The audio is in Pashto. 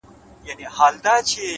پرمختګ له عادتونو پیلېږي’